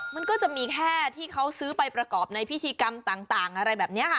มันก็จะมีแค่ที่เขาซื้อไปประกอบในพิธีกรรมต่างอะไรแบบนี้ค่ะ